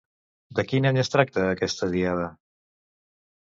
De quin any es tracta aquesta Diada?